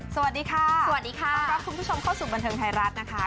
สวัสดีค่ะสวัสดีค่ะต้องรับคุณผู้ชมเข้าสู่บันเทิงไทยรัฐนะคะ